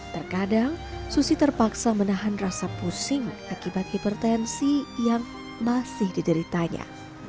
terkadang susi terpaksa menahan rasa pusing akibat hipertensi yang masih dideritanya